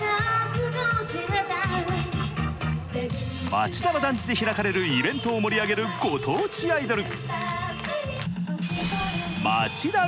町田の団地で開かれるイベントを盛り上げるご当地アイドル。